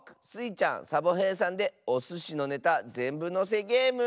ちゃんサボへいさんでおすしのネタぜんぶのせゲーム。